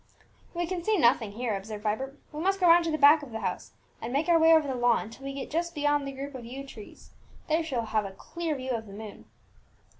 "We can see nothing here," observed Vibert; "we must go right round to the back of the house, and make our way over the lawn, till we get just beyond the group of yew trees. There we shall have a clear view of the moon."